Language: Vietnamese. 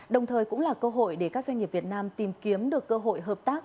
đồng thời cũng là cơ hội để các doanh nghiệp việt nam tìm kiếm được cơ hội hợp tác